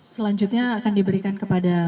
selanjutnya akan diberikan kepada